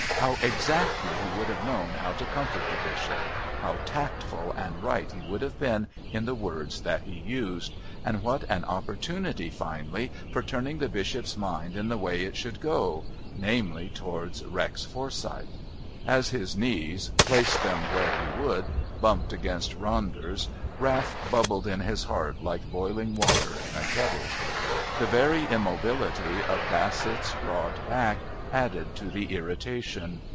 How exactly he would have known how to comfort the Bishop, how tactful and right he would have been in the words that he used, and what an opportunity finally for turning the Bishop's mind in the way it should go, namely, towards Rex Forsyth! As his knees, place them where he would, bumped against Ronder's, wrath bubbled in his heart like boiling water in a kettle. The very immobility of Bassett's broad back added to the irritation.